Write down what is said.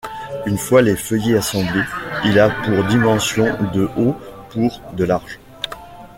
Une fois les feuillets assemblés, il a pour dimension de haut pour de large.